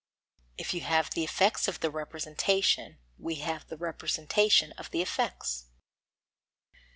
If you have the effects of the representation, we have the representation of the effects.